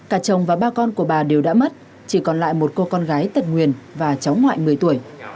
cả chồng và ba con của bà đều đã mất chỉ còn lại một cô con gái tật nguyền và cháu ngoại một mươi tuổi